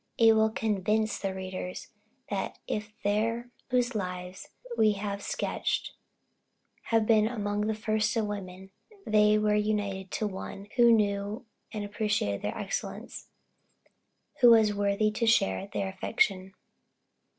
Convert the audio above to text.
It will convince our readers that if the three whose lives we have sketched, have been among the first of women, they were united to one who knew and appreciated their excellence, and who was worthy to share their affection.